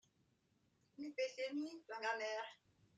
Il faisait nuit sur la mer.